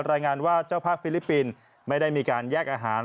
รายงานว่าเจ้าภาพฟิลิปปินส์ไม่ได้มีการแยกอาหาร